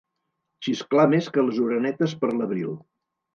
Xisclar més que les orenetes per l'abril.